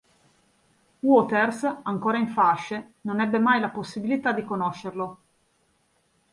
Waters, ancora in fasce, non ebbe mai la possibilità di conoscerlo.